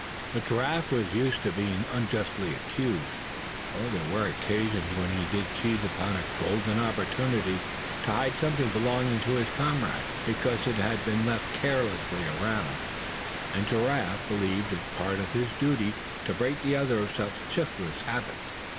But Giraffe was used to being unjustly accused. There were occasions when he did seize upon a golden opportunity to hide something belonging to his comrade, because it had been left carelessly around; and Giraffe believed it a part of his duty to break the other of such shiftless habits.